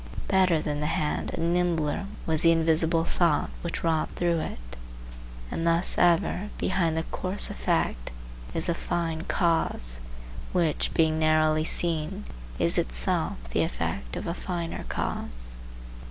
Better than the hand and nimbler was the invisible thought which wrought through it; and thus ever, behind the coarse effect, is a fine cause, which, being narrowly seen, is itself the effect of a finer cause.